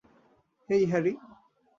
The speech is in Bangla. হেই, হ্যারি।